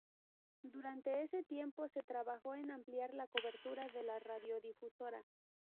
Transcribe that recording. Durante ese tiempo se trabajó en ampliar la cobertura de la radiodifusora.